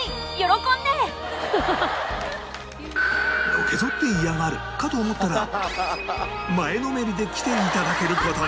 のけ反って嫌がるかと思ったら前のめりで来て頂ける事に！